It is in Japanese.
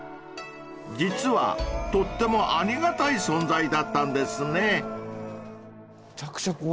［実はとってもありがたい存在だったんですね］